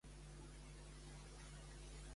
I Conchobar com va morir?